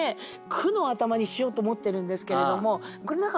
句の頭にしようと思ってるんですけれども。